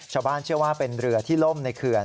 เชื่อว่าเป็นเรือที่ล่มในเขื่อน